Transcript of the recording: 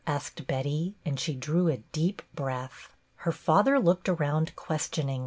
asked Betty ; and she drew a deep breath. Her father looked around questioningly.